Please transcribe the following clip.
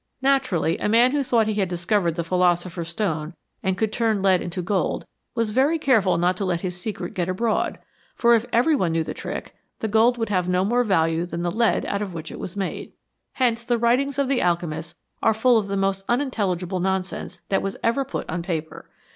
Naturally, a man who thought he had discovered the philosopher's stone and could turn lead into gold, was very careful not to let his secret get abroad, for if every one knew the trick, the gold would have no more value than the lead out of which it was made. Hence the writings of the alchemists are full of the most unintel ligible nonsense that was ever put on paper.